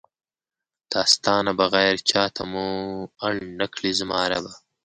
دا ستا نه بغیر چاته مو اړ نکړې زما ربه!